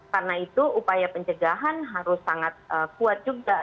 karena itu upaya pencegahan harus sangat kuat juga